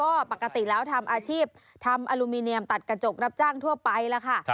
ก็ปกติแล้วทำอาชีพทำอลูมิเนียมตัดกระจกรับจ้างทั่วไปแล้วค่ะ